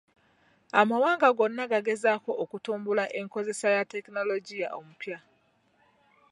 Amawanga gonna gagezaako okutumbula enkozesa ya tekinologiya omupya.